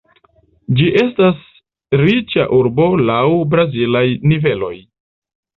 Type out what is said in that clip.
Ĝi estas riĉa urbo laŭ brazilaj niveloj.